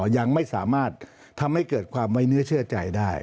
ยังไม่สามารถทำให้เกิดความไว้เนื้อเชื่อใจได้